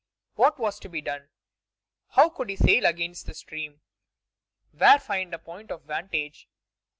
What was to be done? How could he sail against the stream? Where find a point of vantage?